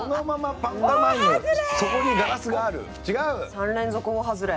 ３連続大外れ。